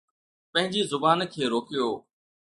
پنهنجي زبان کي روڪيو